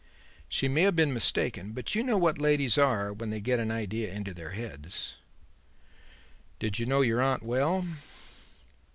She may have been mistaken, but you know what ladies are when they get an idea into their heads." "Did you know your aunt well?"